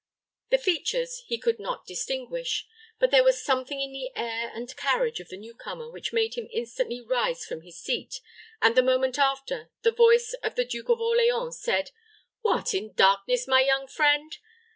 The features he could not distinguish; but there was something in the air and carriage of the newcomer which made him instantly rise from his seat, and the moment after, the voice of the Duke of Orleans said, "What in darkness, my young friend!